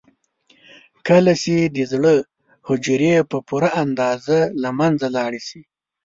کله چې د زړه حجرې په پوره اندازه له منځه لاړې شي.